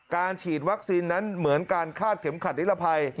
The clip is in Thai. ฉีดวัคซีนนั้นเหมือนการคาดเข็มขัดนิรภัย